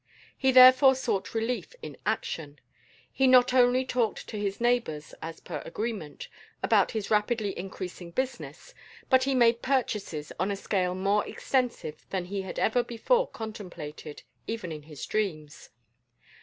He therefore sought relief in action. He not only talked to his neighbours (as per agreement) about his rapidly increasing business, but he made purchases on a scale more extensive than he had ever before contemplated, even in his dreams.